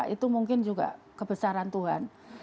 itu mungkin juga kebesaran tuhan